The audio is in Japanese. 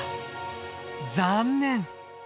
残念！